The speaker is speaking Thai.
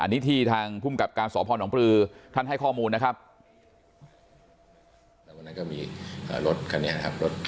นิทีทางพุ่มกับการสอบพรของปลือท่านให้ข้อมูลนะครับ